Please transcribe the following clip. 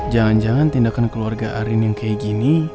jangan jangan tindakan keluarga arin yang kayak gini